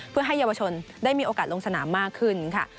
เพื่อให้เยาวชนได้มีโอกาสลงสนามมากขึ้นค่ะ